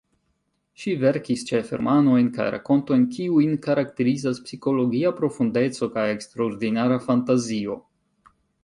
Ŝi verkis ĉefe romanojn kaj rakontojn, kiujn karakterizas psikologia profundeco kaj eksterordinara fantazio.